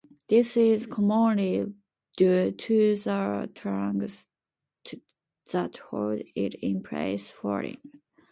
This is commonly due to the tangs that hold it in place failing.